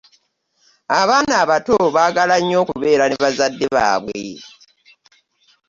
Abaana abato baagala nnyo okubeera ne bazadde baabwe.